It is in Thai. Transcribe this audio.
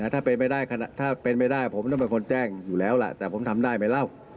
ถ้าเป็นไม่ได้ผมต้องเป็นคนแจ้งอยู่แล้วแต่ผมทำได้ไหมแล้ว